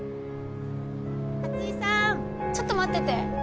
・松井さん・ちょっと待ってて。